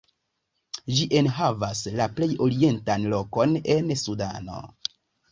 Ĝi enhavas la plej orientan lokon en Sudano.